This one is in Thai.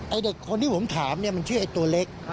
เด็กคนที่ผมถามเนี่ยมันชื่อไอ้ตัวเล็ก